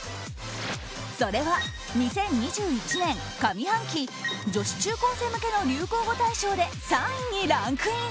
それは２０２１年上半期女子中高生向けの流行語大賞で３位にランクイン！